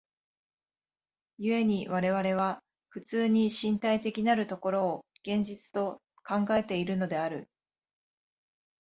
故に我々は普通に身体的なる所を現実と考えているのである。